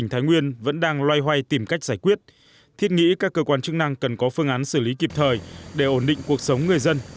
thái nguyên vẫn đang loay hoay tìm cách giải quyết thiết nghĩ các cơ quan chức năng cần có phương án xử lý kịp thời để ổn định cuộc sống người dân